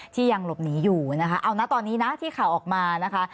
ยังหลบหนีอยู่นะคะเอานะตอนนี้นะที่ข่าวออกมานะคะ